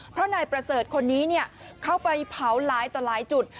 เพราะนายประเสริฐคนนี้เข้าไปเผาหลายต่อหลายจุด